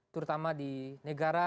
terutama di negara